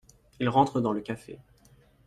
Il rentre dans le café.